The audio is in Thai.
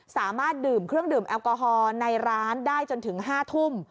สามารถดื่มเครื่องดื่มแอลกอฮอลในร้านได้จนถึง๕ทุ่ม